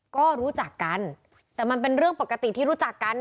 ก็รู้จักกันแต่มันเป็นเรื่องปกติที่รู้จักกัน